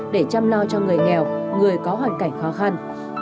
để chăm lo cho người nghèo người có hoàn cảnh khó khăn